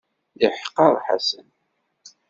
Yeḥqer Ḥasan.